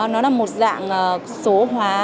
nó là một dạng số hóa